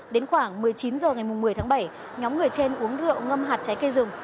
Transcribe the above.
đến khoảng một mươi chín h ngày một mươi tháng bảy nhóm người trên uống rượu ngâm hạt trái cây rừng